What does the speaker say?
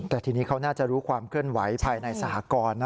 แต่ทีนี้เขาน่าจะรู้ความเคลื่อนไหวภายในสหกรณ์